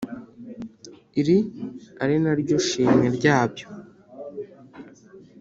Iri Ari naryo shimwe ryabyo